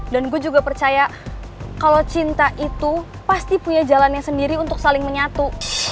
dan gua juga percaya kalo cinta itu pasti punya jalannya sendiri untuk saling menyatu